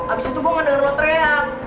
abis itu gue ngedengar lo teriak